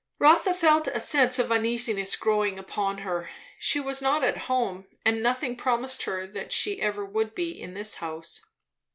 Rotha felt a sense of uneasiness growing upon her. She was not at home, and nothing promised her that she ever would be, in this house.